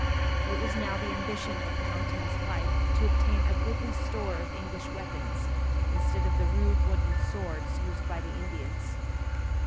It was now the ambition of Powhatan's life to obtain a goodly store of English weapons, instead of the rude wooden swords used by the Indians.